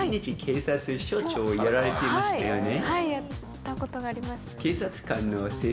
はいやったことがあります。